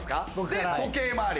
で時計回り。